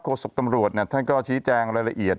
สกตำรวจท่านก็ชี้แจงรายละเอียด